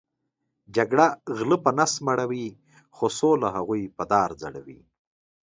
جګړه غلۀ په نس مړؤی خو سوله هغوې په دار ځړؤی